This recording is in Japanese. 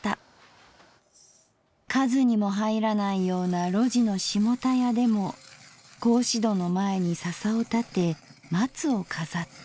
数にもはいらないような路地のしもたやでも格子戸の前に笹を立て松を飾った。